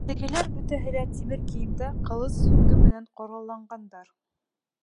Тегеләр бөтәһе лә тимер кейемдә, ҡылыс, һөңгө менән ҡоралланғандар.